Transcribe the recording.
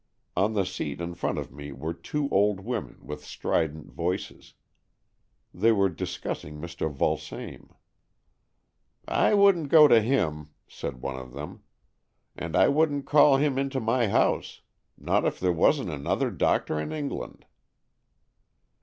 On the seat in front of me were two old women with strident voices. They were discussing Mr. Vulsame. " I wouldn't go to him," said one of them, " and I wouldn't call him into my house, not if there wasn't another doctor in England."